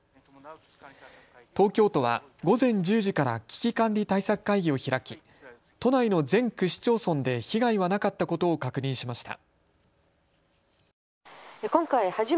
東京都は午前１０時から危機管理対策会議を開き都内の全区市町村で被害はなかったことを確認しました。